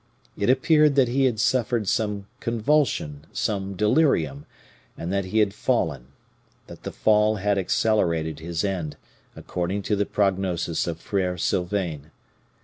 It appeared that he had suffered some convulsion, some delirium, and that he had fallen; that the fall had accelerated his end, according to the prognosis of Frere Sylvain.